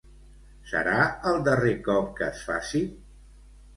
Serà el darrer cop que es faci?